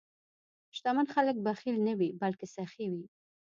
شتمن خلک بخیل نه وي، بلکې سخي وي.